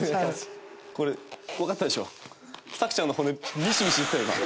これわかったでしょ？